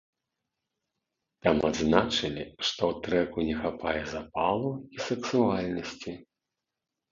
Там адзначылі, што трэку не хапае запалу і сэксуальнасці.